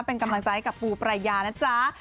เป็นกำลังใจให้กับปูปรายานะจ๊ะ